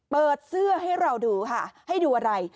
เปิดเสื้อให้เราดูค่ะให้ดูอะไร